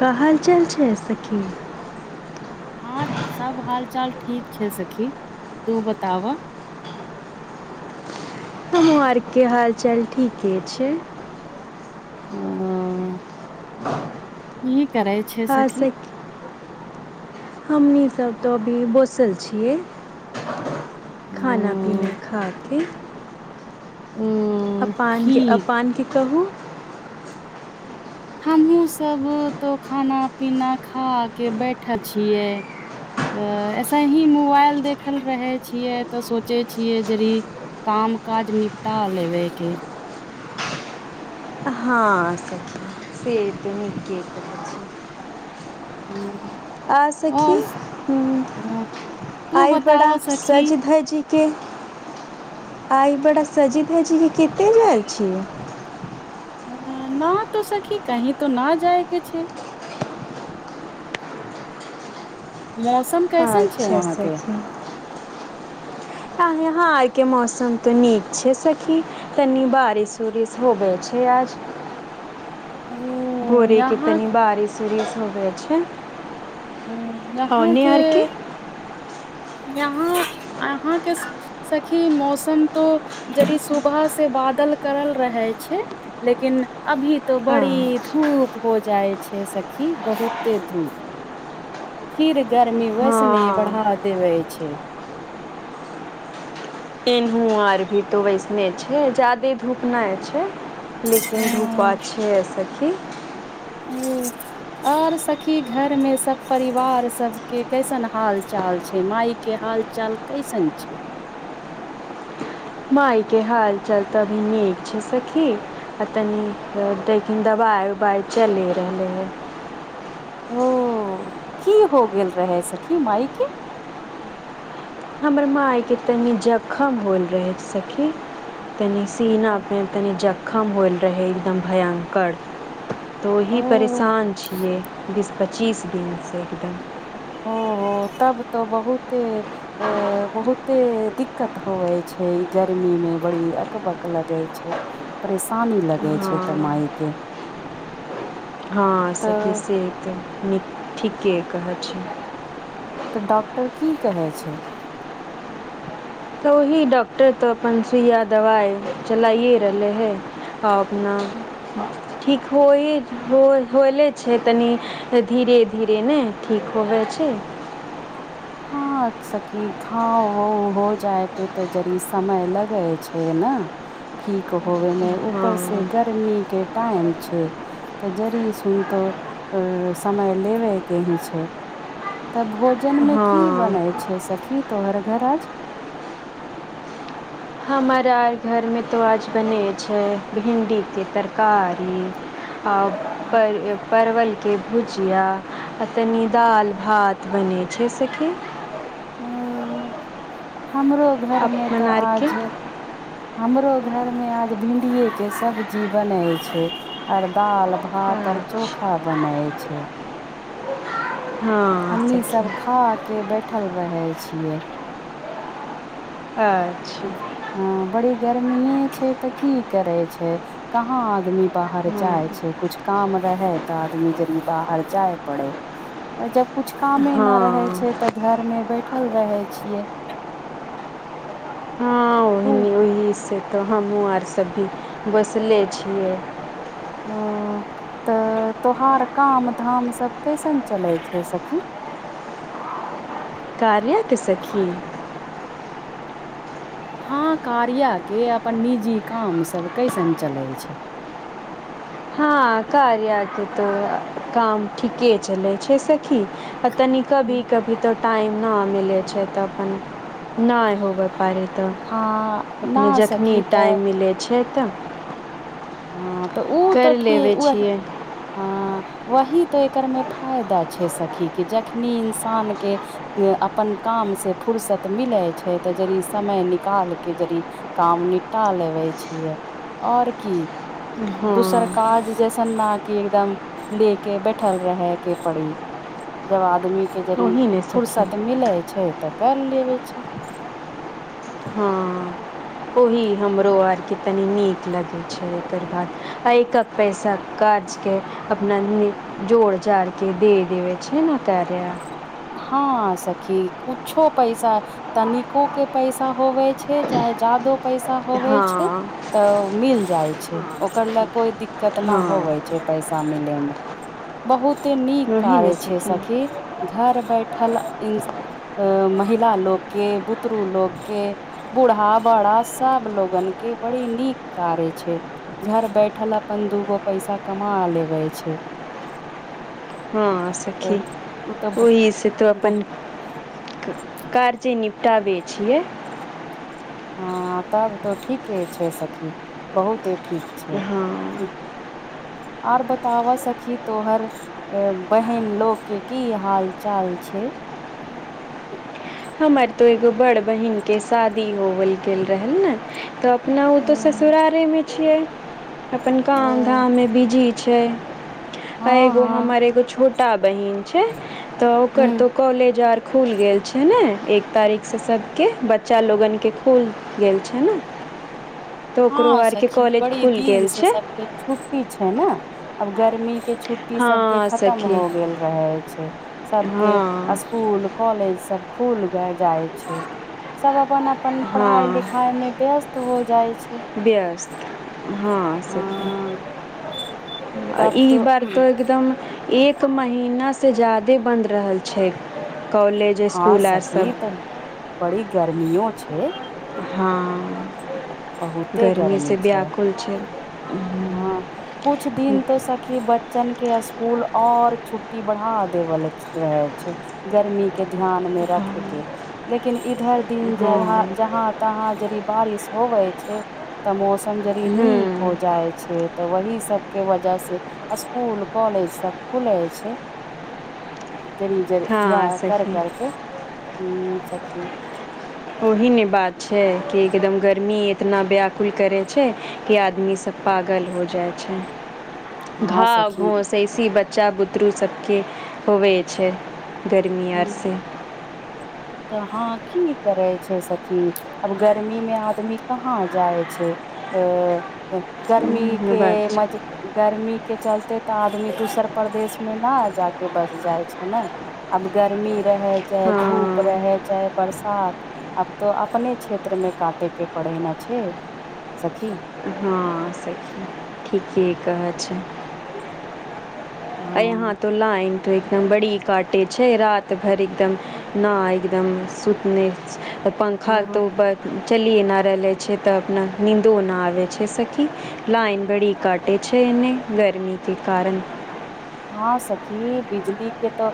का हालचाल छै सखी। हां सब हाल चाल ठीक छै सखी, तू बताब। हमहु आरके हालचाल ठीके छैय। हां। [inaudible] कि करय हां सखी। हमनी सब त अभी बैसल छियै खाना खाना ओ पीना खा के, ओ अपान ठीक अपान के कहु। हमहु सब त खाना पीना खा के बैठल छियै। अ ऐसे ही मोबाइल देखल रहै छियै त सोचै छियै रील। काम काज निपटा लेबैय के‌ हां सखी से त नीक केलउ। हूं आ सखी, हँ, हुं- तू आइ बड़ा बताब सखी सज धजि के, आइ बड़ा सजी धजी के केत्ते जाय छियै। हं, ना तो सखी कहीं तो ना जाय के छैय। मौसम कैयसन छैय अच्छा वहाँ के? सखी आ यहाँ आय के मौसम तऽ नीक छैय सखी। तनि बारिस उरिस होबै छैय आज। ओ भोरे के यहाँ तनि बारिश उरिश होबैय छैय। यहाँ‌ के, यहाँ आहाँ के सखी, मौसम तो जदि सुबह से बादल करल रहेय छैय। लेकिन अभी तो बड़ी हाँ धूप होइ जाइ छैय सखी। बहुते धूप फिर गर्मी वैसने बढ़ा हाँ देवैय छैय। एनहु आर भी तऽ वैसने छैय। जादे धूप नै छैय। लेकिन हँ धुपा छैय आइ सखी। हूं। और सखी, घर मे सब परिवार सबके कैसन हाल चाल छै। माई के हाल च चाल कैसन छैय? माई के हाल चाल तऽ नीक छैय सखी। आ तनी देकिन दबाई-उबाई चलि रहले हन। ओ- कि हो गेल रहे सखी माईके? हमर माई के तनि जखम होयल रहै सखी। तनि ओ सीनामे तनि जखम होयल रहै एकदम भयंकर। तऽ ओ ओही परेशान छियै बीस पच्चीस दिन से एकदम। ओ हो तब तऽ बहुते। अ- बहुते दिक्कत होवए छै इ गर्मी मे बड़ी अकबक लगै छैय। परेशानी लगै छैय तऽ हँ माइके। हाँ सखी से तऽ नीक, ठीके कहै छियै। तऽ डॉक्टर कि कहै छैय। तऽ ओहि डॉक्टर तऽ अपन सुइया दबाई चलाइये रहलै हे। अब ना, ठीक होइये हो होइले छैय तनी। त धीरे-धीरे ने ठीक होबै छैय। हाँ सखी घाव हाव हो जाय पे तऽ जड़ी समय लगै छैय ने। ठीक होबे में, ऊपर हँ से गर्मी के टाइम छैय। तऽ जड़ी सुनतो अ-अ समय लेबे के ही छैय। तऽ भोजन में कि बनै हँ छैय सखी तोहर घर आज। हमरा घरमे तो आज बनै छै भिण्डीके तरकारी। आ हम्म, पर परवल के भुजिया आ तनि दाल, भात बनै छैय सखी। हूं हमरो घरमे तऽ अपन आज आरके हमरो घर में आज भिण्डीये के सब्जी बनै छैय, आर दाल भात तर अच्छा चोखा बनाय छैय। हँ हमनी सब सखी खा के बैठल रहेय छियै। आए हाँ बड़ी गर्मीये छैय तऽ कि करै छैय। कहाँ आदमी बाहर जाइ हँ छैय। कुछ काम रहेय तऽ आदमी जड़ी बाहर जाय पड़े आ जब कुछ कामे न रहे छै हँ तऽ घर मे बैठल रहय छियै। [inaudible] हॅं हूं ई से तऽ हमहूँ आर सब भी बैसले छियै। हॅं तऽ, तोहार काम धाम सब कैसन चलै छौ सखी। कारया के सखी। हाँ कार्या के अपन निजी काम सब कैसन चलय छैय? हॅं कार्या के तऽ काम ठीके चलै छैय सखी आ तनी। कभी कभी तऽ टाइम ना मिलै छै तऽ अपन‌ नै होबय पड़ै तऽ हँ अपने न जखनी सखी तऽ टाइम मिलै छैय तऽ हॅं तऽ ओ तऽ करि लेबै ठीक ओ वही छियै हँ, वही तऽ एकर मे फायदा छैय सखी कि जखनी इंसान के अपन काम से फुर्सत मिलै छैय तऽ जड़ि समय निकालि के जड़ि काम निपटा लेबै छियै और की। हँ दोसर काज जैसन ना कि एकदम ले के बैठल रहय के पड़ी जब आदमी के जड़ी ओही ने सखी फुर्सत मिलय छै तऽ कर लेबय छैय। हॅं, ओही हमरो आरके तनी नीक लगै छै, एकर बाद आ एक पैसा काज के अपना लिए जोड़ जाड़ के देबै छै ने कार्या। हँ सखी कुछो पैसा तनिको के पैसा होबै छै चाहे जादो पैसा होबै छै हँ तऽ मिल जाय छै हँ ओकर ले सखी कोई दिक्कत न होवे छै। हँ छै पैसा मिले मे बहुते नीक ओही ने कार्य छै सखी, घर बैठल इ महिला लोक के बुतरू लोक के, बूढ़ा बड़ा सब लोगन के बड़ी नीक कार्य छै। घर बैठल अपन दूगो पैसा कमा लेबै छै। हँ तऽ सखी ओ तऽ ओही से तऽ अपन कार्य जेे निपटाबे छियै। हँ तब त ठीके छै सखी, बहुते ठीक छै। हँ आओर बताबऽ सखी तोहर बहिन लोक के की हाल चाल छै? हमर तऽ एगो बड़ बहिन के शादी होल गेल रहनि ने तऽ न उ तो ससुरारे मे छियै, अपन काम हँ धाम मे बीजी छै, आ एगो हँ हमर एगो छोटा बहिन छै तऽ ओकर हूँ तऽ कॉलेज आर खुल गेल छै। छै ने, एक तारीख से सबके बच्चा लोगन के खुल गेल छै ने। तऽ ओकरो हँ आरके सखी कॉलेज बड़ी खुलि दीन गेल से- छै छुट्टी छै ने, आब गर्मी के छुट्टी छुट्टी सब के हँ खतम सखी हो गेल रहय छै, सबके हँ स्कूल कॉलेज सब खुल गे जाय छै सब अपन अपन- अपन पढ़ाई हँ लिखाई मे व्यस्त हो जाय छै। व्यस्त, हँ सखी। हँ तब ई तो बार त एकदम एक महीना से ज्यादे बंद रहल छै। छै कॉलेज हँ स्कूल और सब सखी तऽ बड़ी गर्मियो छै। हँ बहुते गर्मी त छै व्याकुल छै। हँ कुछ दिन त सखी बच बच्चा के स्कूल और छुट्टी बढ़ा देवल रहे छै। गर्मी के ध्यान मे रखके लेकिन इधर दिन जहाँ हँ जहा तहाँ यदि बारिश होवे छै त मौसम जड़ी नीक हूँ हो जाइ छै। छै त वही सब के वजह से स्कुल कॉलेज सब खुले छै। जरी जर हँ यहां कर सही करके हं सची ओही ने बात छै कि एकदम गर्मी इतना व्याकुल करै छै कि आदमी सब पागल हो जाइ छै। हँ घाव सखी घोस ऐसी बच्चा बुतरू सभके होवैत छै। गर्मी आर कि त हँ की करै छै सखी, आब गर्मी मे आदमी कहाँ जाइ छै। अ गर्मी उम्म, के बात छै मज गर्मी के चलते त आदमी दोसर परदेशमे ने जाके बैस जाइ छै ने। आब गर्मी रहै चाहे धूप गमीं हँ रहे चाहे बरसात, आब त अपने क्षेत्र मे काटे के पड़े ने छै। सखी। हँ। ठीके कहै छी। आई अहाँ हँ त तो लाइन तो एकदम बड़ी काटे छै, रात भर एकदम न एकदम सुतने पंखा हँ त उपर चलिये न रहले छै त अपना नींदो नहि आबे छै सखी लाइन बड़ी काटै कटे छै नहि गरमी के कारण हँ सखी बिजली के त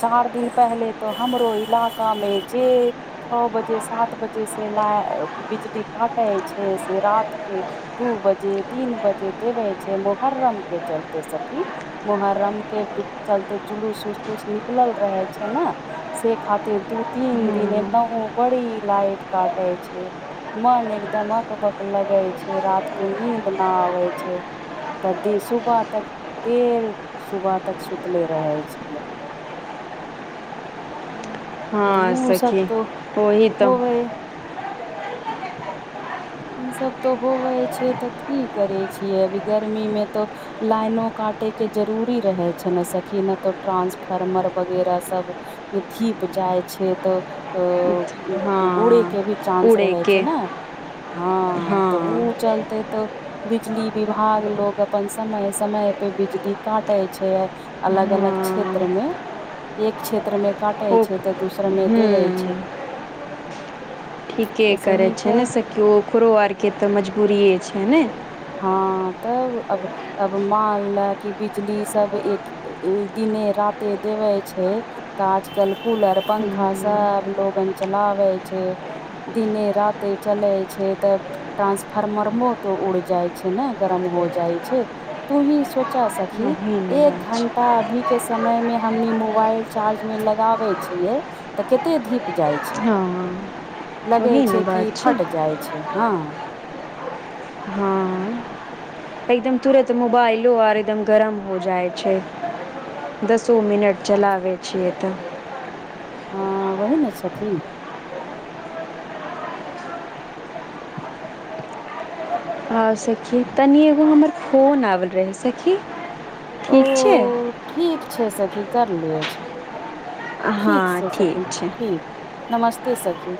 चार दिन पहले त हमरो इलाका मे जे छओ बजे सात बजे से नहि बिजली काटै छै से रात के दू बजे तीन बजे देबै छै मोहर्रम के चलते स सखी। मुहर्रम के चलते जुलूस उलूस निकलल रहे छै ने से खातिर दू तीन दिने हम्म नव बड़ी लाइट काटे छै। मन एकदम अकबक लगै छै, रात के नीद न आबै छै। त देर सुबह तक देर सुबह तक सुतले रहे छियै। हँ ओ सब सखी तो ओही त होबे ई सब त होवे छै त की करै छियै अभी गर्मी मे त लाइनो काटे के जरूरी रहै छै ने सखी ने तो ट्रानंसफार्मर वगैरह सब जीप जाइ छै त अच्छा। उड़ै के भी चांस रहे छै ने हँ त उ हाँ चल से तो बिजली विभाग लोग अपन समय समय पर बिजली काटै छै। अलग अलग क्षेत्र हाँ मे एक क्षेत्र मे काटै ओ हूँ ठीके ऐसे करै ही छै के ने से केओ ओकरो आरके तऽ मजदुरिए छै ने। हँ तब अब अब मां लए कि बिजली सब एक ए दिने राते देवे छै। तऽ आजकल कूलर, पंखा, हूँ सब लोगन चलाबै छै। दिने राते चलय छै तऽ टान्सफार्मर मो तऽ उड़ जाइ छै ने गरम हो जाइ छै, तू ही सोचा सखी। ओही ने एक बात घंटा छै अभी के समय मे हमनी मोबाइल चार्ज मे लगाबै छियै। तऽ कतेक धीप जाय छै। हँ लगे ओही ने छै कि बात फट जाय छै, हँ [inaudible] हँ एकदम तुरत मोबाइलो आर एकदम गरम हो जाय छै। दसो मिनट चलाबे छियै तऽ हँ वही ने छथिन। आओर सखी, तनि एगो हमर फोन आबल रहै सखी। ओ ठीक छै ठीक छै सखी करलियै छै। हँ ठीक छै सखी, ठीक छै ठीक, नमस्ते सखी।